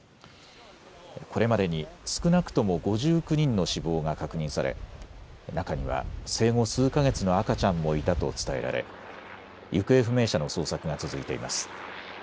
これまでに少なくとも５９人の死亡が確認され中には生後数か月の赤ちゃんもいたと伝えられ、行方不明者の捜索が続いています。